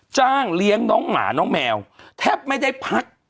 จ้างเลี้ยงน้องหมาน้องแมวแทบไม่ได้พัก